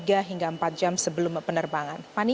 dan banyak penumpang yang belum terlalu aware